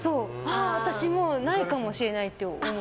私、もうないかもしれないって思う。